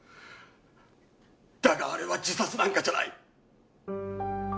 だがあれは自殺なんかじゃない。